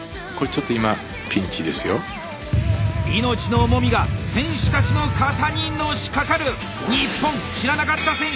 命の重みが選手たちの肩にのしかかる！